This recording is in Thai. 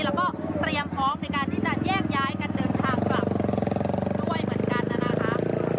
แล้วก็เตรียมพร้อมในการที่จะแยกย้ายกันเดินทางกลับด้วยเหมือนกันนะคะ